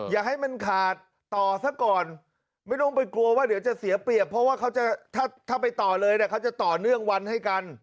อย่าให้มันขาดต่อซะก่อนไม่ต้องไปกลัวว่าเดี๋ยวจะเสียเปรียบเพราะว่าเขาจะถ้าไปต่อเลยเขาจะต่อเนื่องวันให้กัน